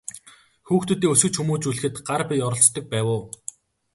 Хүүхдүүдээ өсгөж хүмүүжүүлэхэд гар бие оролцдог байв уу?